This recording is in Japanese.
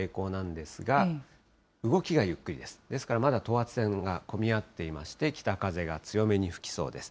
ですからまだ等圧線が混み合っていまして、北風が強めに吹きそうです。